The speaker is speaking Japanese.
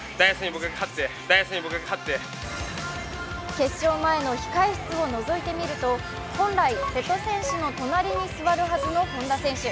決勝前の控え室をのぞいてみると本来瀬戸選手の隣に座るはずの本多選手。